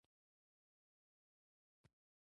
دوبۍ د نړۍ د تر ټولو لوی هوايي ډګر